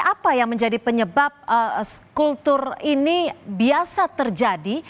apa yang menjadi penyebab kultur ini biasa terjadi